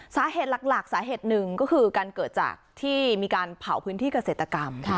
สาเหตุหลักสาเหตุหนึ่งก็คือการเกิดจากที่มีการเผาพื้นที่เกษตรกรรม